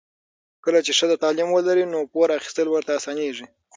کله چې ښځه تعلیم ولري، نو پور اخیستل ورته اسانېږي.